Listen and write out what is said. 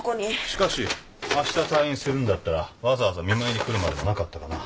しかしあした退院するんだったらわざわざ見舞いに来るまでもなかったかな。